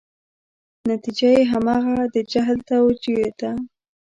نتیجه یې همغه د جهل توجیه ده.